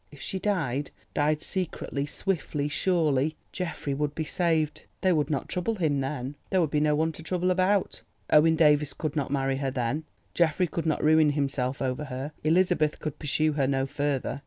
If she died—died secretly, swiftly, surely—Geoffrey would be saved; they would not trouble him then, there would be no one to trouble about: Owen Davies could not marry her then, Geoffrey could not ruin himself over her, Elizabeth could pursue her no further.